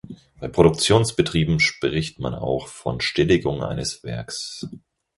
Bei Produktionsbetrieben spricht man auch von Stilllegung eines Werks.